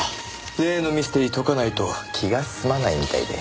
例のミステリー解かないと気が済まないみたいで。